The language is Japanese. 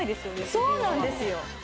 そうなんですよ